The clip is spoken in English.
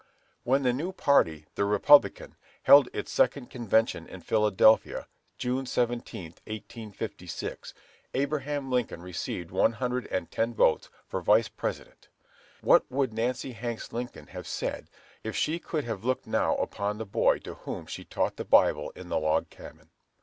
When the new party, the Republican, held its second convention in Philadelphia, June 17, 1856, Abraham Lincoln received one hundred and ten votes for Vice President. What would Nancy Hanks Lincoln have said if she could have looked now upon the boy to whom she taught the Bible in the log cabin!